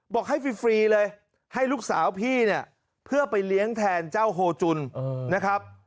บอกให้ฟรีเลยให้ลูกสาวพี่เนี่ยเพื่อไปเลี้ยงแทนเจ้าโฮจุนนะครับ